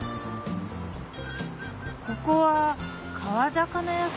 ここは川魚屋さん？